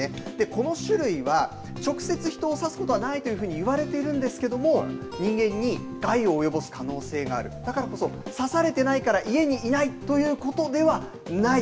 この種類は直接人を差すことはないと言われているんですが人間に害を及ぼす可能性があるだからこそ刺されてないから家にいないということではない。